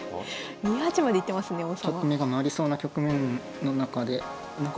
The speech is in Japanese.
２八まで行ってますね王様。